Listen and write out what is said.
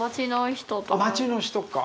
町の人か。